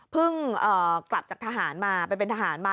กลับจากทหารมาไปเป็นทหารมา